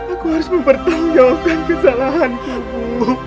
aku harus mempertanggungjawabkan kesalahanku ibu